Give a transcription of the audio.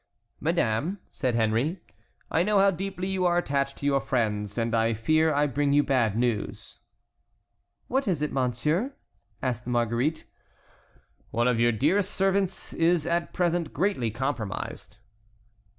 "Madame," said Henry, "I know how deeply you are attached to your friends, and I fear I bring you bad news." "What is it, monsieur?" asked Marguerite. "One of your dearest servants is at present greatly compromised."